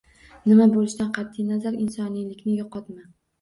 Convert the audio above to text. Nima bo‘lishidan qat’i nazar, insoniylikni yo‘qotma.